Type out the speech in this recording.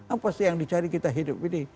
apa sih yang dicari kita hidup ini